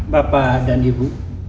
bapak dan ibu